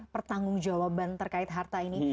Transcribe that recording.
pertanggung jawaban terkait harta ini